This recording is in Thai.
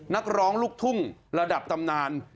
นักร้องลูกทุ่งระดับตำนาน